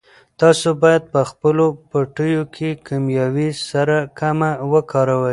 تاسو باید په خپلو پټیو کې کیمیاوي سره کمه وکاروئ.